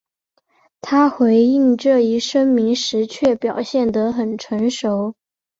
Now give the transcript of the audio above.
他回应这一声明时却表现得很成熟。